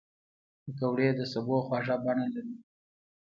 پکورې د سبو خواږه بڼه لري